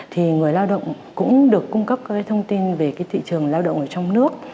thì người lao động cũng được cung cấp các thông tin về thị trường lao động ở trong nước